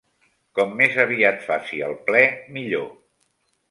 Com més aviat faci el ple, millor.